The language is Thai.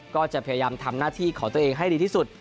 ก็จะพยายามทำหน้าที่ของตัวเองให้ดีที่สุด